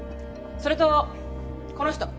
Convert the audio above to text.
それとこの人。